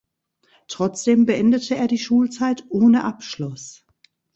Trotzdem beendete er die Schulzeit ohne Abschluss.